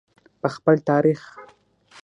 په خپل تاریخ.